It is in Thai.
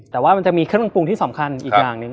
แต่ว่ามันจะมีเครื่องปรุงที่สำคัญอีกอย่างหนึ่ง